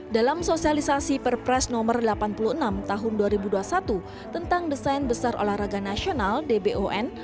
dalam sosialisasi perpres nomor delapan puluh enam tahun dua ribu dua puluh satu tentang desain besar olahraga nasional dbon